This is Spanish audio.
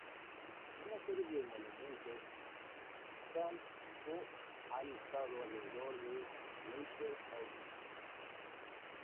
Una serie de monumentos están, o han estado, alrededor de Leinster House.